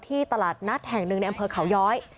ตลาดนัดแห่งหนึ่งในอำเภอเขาย้อย